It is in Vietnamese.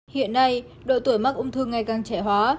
hiện nay độ tuổi mắc ung thư ngày càng trẻ hóa